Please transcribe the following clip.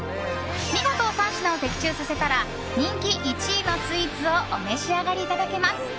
見事３品を的中させたら人気１位のスイーツをお召し上がりいただけます。